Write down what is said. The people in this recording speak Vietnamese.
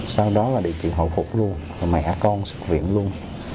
sau đó là địa chỉ hậu phục luôn rồi mẹ con sực viện luôn